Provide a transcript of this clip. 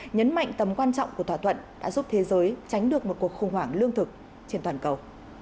nhấn mạnh tầm quan trọng của thỏa thuận đã giúp thế giới tránh được một cuộc khủng hoảng lương thực trên toàn cầu